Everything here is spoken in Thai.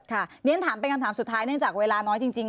เรียนถามเป็นคำถามสุดท้ายเนื่องจากเวลาน้อยจริง